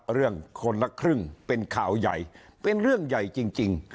เรื่องคนละครึ่งเป็นข่าวใหญ่เป็นเรื่องใหญ่จริง